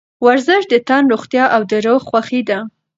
ورزش د تن روغتیا او د روح خوښي ده.